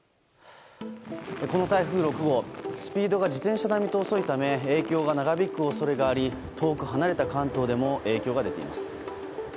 この台風６号スピードが自転車並みと遅いため影響が長引く恐れがあり遠く離れた関東でも影響が出ています。